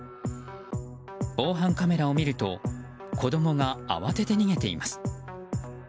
防犯カメラを見ると子供が慌てて逃げています。